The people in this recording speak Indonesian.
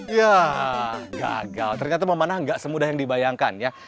ya gagal ternyata memanah gak semudah yang dibayangkan ya